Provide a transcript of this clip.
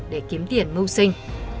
để kiếm tiền mưu sinh